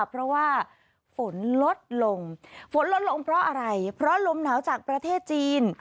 เพราะว่าฝนลดลงฝนลดลงเพราะอะไรเพราะลมหนาวจากประเทศจีน